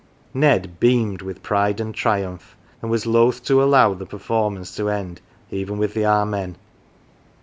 Ned beamed with pride and triumph, and was loth to allow the performance to end even with the " Amen."